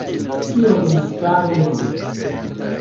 Kion mi faru nun?